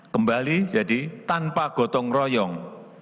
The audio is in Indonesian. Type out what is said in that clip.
kembali jadi tanpa gotong royong